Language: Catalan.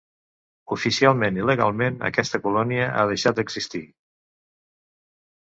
Oficialment i legalment, aquesta colònia ha deixat d'existir.